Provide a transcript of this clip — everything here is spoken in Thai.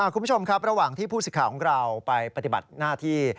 คุณผู้ชมครับระหว่างที่ผู้สิทธิ์ของเราไปปฏิบัติหน้าที่